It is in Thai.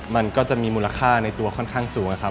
มันก็จะมีมูลค่าในตัวค่อนข้างสูงครับ